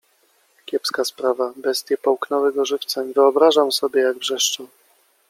- Kiepska sprawa. Bestie połknęły go żywcem. Wyobrażam sobie, jak wrzeszczał